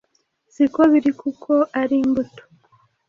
siko biri kuko ari imbuto.